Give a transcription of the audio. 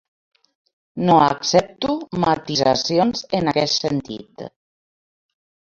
No accepto matisacions en aquest sentit